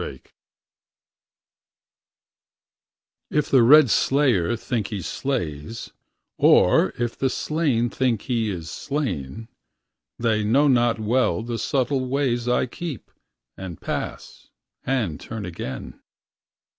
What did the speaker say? BRAHMA If the red slayer think he slays, Or if the slain think he is slain, They know not well the subtle ways I keep, and pass, and turn again.